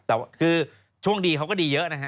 แต่คือช่วงดีเขาก็ดีเยอะนะฮะ